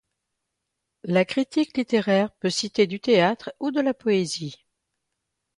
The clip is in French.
La critique littéraire peut citer du théâtre ou de la poésie.